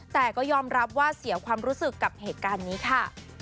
แต่ก็ยอมรับว่าเสียความรู้สึกกับเหตุการณ์นี้ค่ะ